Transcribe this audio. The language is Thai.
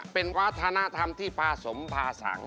เป็นวัฒนธรรมที่พาสมภาสัง